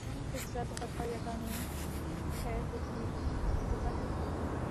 اس طرح وہ فتویٰ یا قانون بے توقیر ہوتا ہے